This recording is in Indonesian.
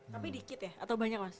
tapi dikit ya atau banyak mas